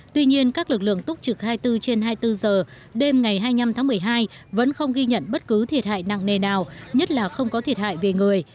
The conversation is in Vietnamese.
tuy nhiên các lực lượng túc trực hai mươi bốn trên hai mươi bốn giờ đêm ngày hai mươi năm tháng một mươi hai vẫn không ghi nhận bất cứ thiệt hại nặng nề nào nhất là không có thiệt hại về người